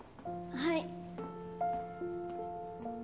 はい。